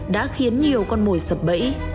đã khiến nhiều con mồi sập bẫy